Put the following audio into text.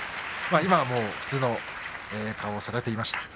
今、普通の顔をされていました。